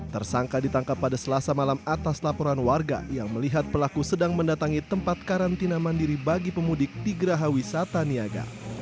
tersangka ditangkap pada selasa malam atas laporan warga yang melihat pelaku sedang mendatangi tempat karantina mandiri bagi pemudik di geraha wisata niaga